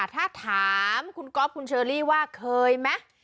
ถ้าถามคุณก๊อฟคุณเชอรี่ว่าเคยไหม